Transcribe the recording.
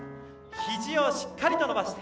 ひじをしっかりと伸ばして。